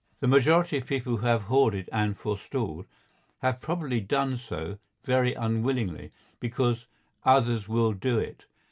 The majority of people who have hoarded and forestalled have probably done so very unwillingly, because "others will do it."